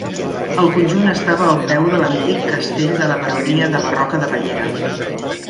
El conjunt estava al peu de l'antic castell de la Baronia de Barroca de Bellera.